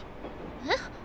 えっ？